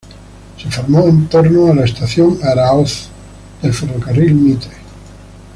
Se formó en torno a la estación Aráoz del Ferrocarril Mitre.